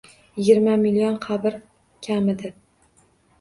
Yigirma million qabr kammidi